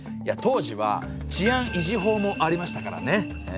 当時は治安維持法もありましたからね。